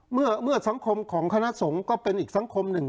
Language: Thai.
เมื่อสังคมของคณะสงฆ์ก็เป็นอีกสังคมหนึ่ง